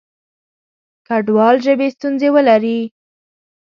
کډوال ژبې ستونزې ولري.